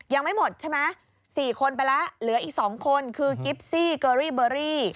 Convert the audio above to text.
ยังไม่หมดใช่ไหม๔คนไปแล้วเหลืออีก๒คนคือกิฟซี่เกอรี่เบอรี่